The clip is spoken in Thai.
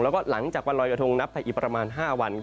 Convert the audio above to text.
แล้วก็หลังจากวันรอยกระทงนับไปอีกประมาณ๕วัน